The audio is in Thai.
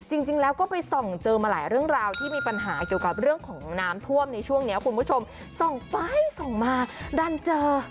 จริงแล้วก็ไปส่องเจอมาหลายเรื่องราวที่มีปัญหาเกี่ยวกับเรื่องของน้ำท่วมในช่วงนี้คุณผู้ชมส่องไปส่องมาดันเจอ